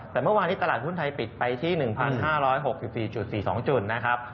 แต่เมื่อวานนี้ตลาดหุ้นไทยปิดไปที่๑๕๖๔๔๒จุดนะครับ